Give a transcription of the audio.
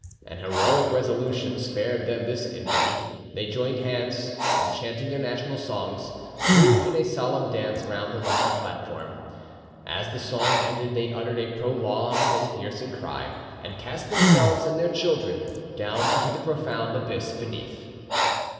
An heroic resolution spared them this infamy; they joined hands, and chanting their national songs, moved in a solemn dance round the rocky platform. As the song ended, they uttered a prolonged and piercing cry, and cast themselves and their children down into the profound abyss beneath.